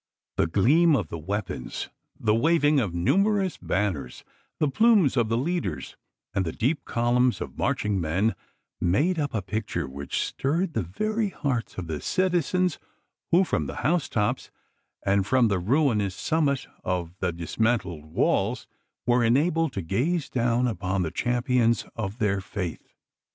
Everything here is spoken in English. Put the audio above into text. The gleam of the weapons, the waving of numerous banners, the plumes of the leaders, and the deep columns of marching men, made up a picture which stirred the very hearts of the citizens, who, from the housetops and from the ruinous summit of the dismantled walls, were enabled to gaze down upon the champions of their faith.